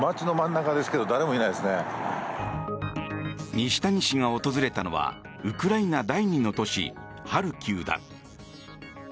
西谷氏が訪れたのはウクライナ第２の都市ハルキウだ。